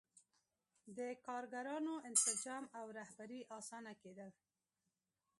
د کارګرانو انسجام او رهبري اسانه کېدل.